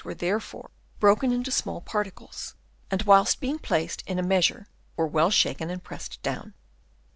were therefore broken into small particles, and whilst being placed in a measure were well shaken and pressed down.